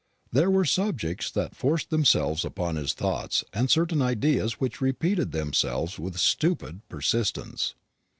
There were subjects that forced themselves upon his thoughts, and certain ideas which repeated themselves with a stupid persistence.